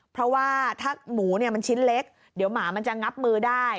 เพราะว่าถ้าหมูเนี่ยมันชิ้นเล็กเดี๋ยวหมามันจะงับมือได้